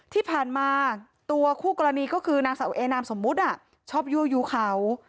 ที่ผ่านมาตัวคู่กรณีก็คือนางสาวเอนามสมมุติชอบยั่วยู้เขา